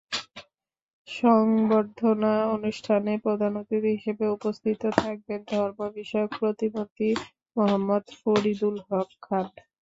সংবর্ধনা অনুষ্ঠানে প্রধান অতিথি হিসেবে উপস্থিত থাকবেন ধর্ম বিষয়ক প্রতিমন্ত্রী মোহাম্মদ ফরিদুল হক খান।